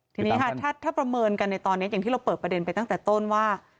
ทีนี้ค่ะถ้าประเมินกันในตอนนี้อย่างที่เราเปิดประเด็นไปตั้งแต่ต้นว่า